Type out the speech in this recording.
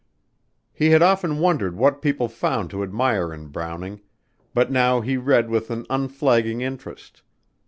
He had often wondered what people found to admire in Browning, but now he read with an unflagging interest.